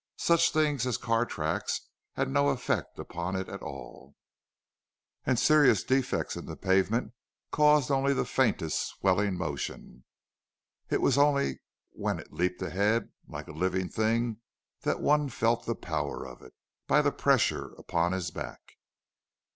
Such things as car tracks had no effect upon it at all, and serious defects in the pavement caused only the faintest swelling motion; it was only when it leaped ahead like a living thing that one felt the power of it, by the pressure upon his back.